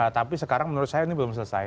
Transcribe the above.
tapi sekarang menurut saya ini belum selesai